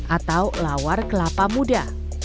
atau lawar kelapa muda